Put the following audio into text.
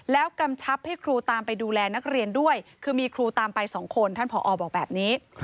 แล้วกำชับให้ครูตามไปดูแลนักเรียนด้วยคือมีครูตามไปสองคนท่านผอบอกแบบนี้